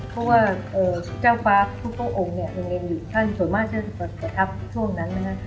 เพราะว่าเจ้าฟ้าทุกองค์อยู่ท่านส่วนมากจะประทับช่วงนั้นนะฮะ